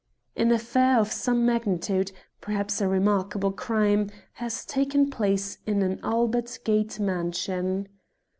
"An affair of some magnitude perhaps a remarkable crime has taken place in an Albert Gate mansion.